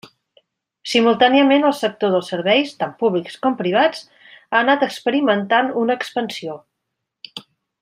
Simultàniament, el sector dels serveis, tant públics com privats, ha anat experimentant una expansió.